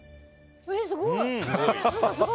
すごい！